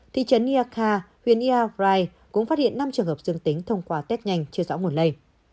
thị trấn iaka huyện iagrai cũng phát hiện năm trường hợp dương tính thông qua test nhanh chưa rõ nguồn lây